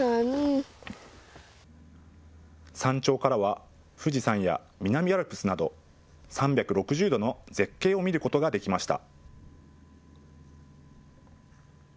山頂からは富士山や南アルプスなど３６０度の絶景を見ることができました。